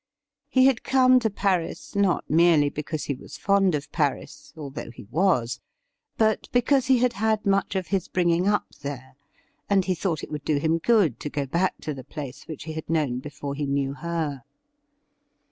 He had come to Paris not merely because he was fond of Paris — although he was — ^but because he had had much of his bringing up there, and he thought it would do him good to go back to the place which he had known before he knew her.